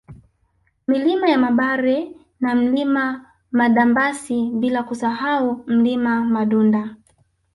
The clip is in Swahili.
Milima ya Mabare na Mlima Madambasi bila kusahau Mlima Madunda